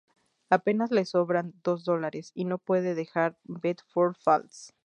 Apenas le sobran dos dólares, y no puede dejar Bedford Falls.